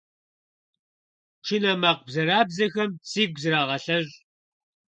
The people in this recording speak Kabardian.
Пшынэ макъ бзэрабзэхэм сигу зырагъэлъэщӏ.